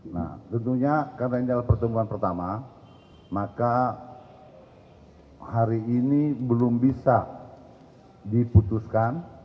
nah tentunya karena ini adalah pertemuan pertama maka hari ini belum bisa diputuskan